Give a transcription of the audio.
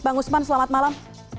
bang usman selamat malam